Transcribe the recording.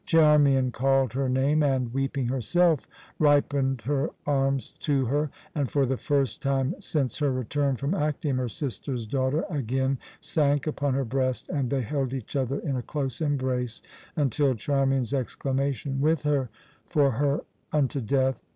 Charmian called her name and, weeping herself, ripened her arms to her, and for the first time since her return from Actium her sister's daughter again sank upon her breast, and they held each other in a close embrace until Charmian's exclamation, "With her, for her unto death!"